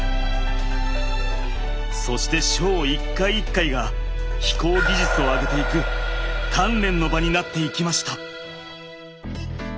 そしてショー１回１回が飛行技術を上げていく鍛錬の場になっていきました。